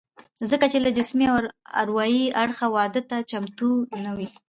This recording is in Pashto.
ځکه چې له جسمي او اروايي اړخه واده ته چمتو نه وي